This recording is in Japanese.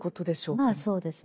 まあそうですね。